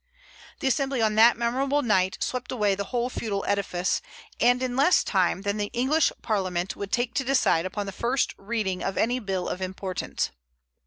The Assembly on that memorable night swept away the whole feudal edifice, and in less time than the English Parliament would take to decide upon the first reading of any bill of importance.